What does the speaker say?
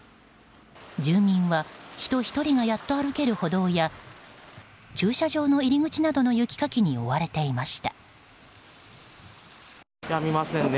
住民は人ひとりがやっと歩ける歩道や駐車場の入り口などの雪かきに追われていました。